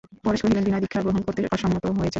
পরেশ কহিলেন, বিনয় দীক্ষা গ্রহণ করতে অসম্মত হয়েছেন।